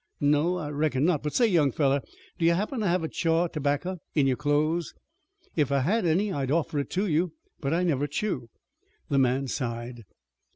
"No, I reckon not, but say, young fellow, do you happen to have a chaw of terbacker in your clothes?" "If I had any I'd offer it to you, but I never chew." The man sighed.